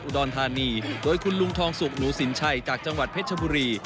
รธานีโดยคุณลุงทองสุกหนูสินชัยจากจังหวัดเพชรชบุรี